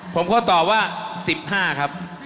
ผมก็ตอบว่าสิบห้าครับ